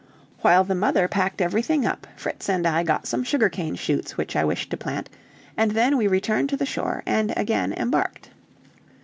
While the mother packed everything up, Fritz and I got some sugar cane shoots which I wished to plant, and then we returned to the shore and again embarked.